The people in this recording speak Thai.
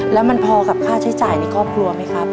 แล้วมันพอกับค่าใช้จ่ายในครอบครัวไหมครับ